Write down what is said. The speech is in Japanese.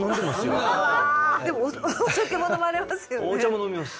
でもお酒も飲まれますよね？